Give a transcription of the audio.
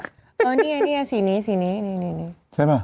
อีผิวนี้สีนี้